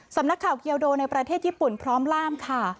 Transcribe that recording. สำนักข่าวเกียวโดในประเทศญี่ปุ่นพร้อมล่ามค่ะ